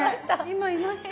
いました。